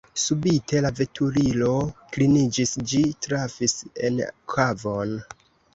Subite la veturilo kliniĝis: ĝi trafis en kavon.